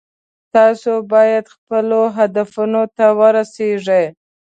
تاسو باید خپلو هدفونو ته ورسیږئ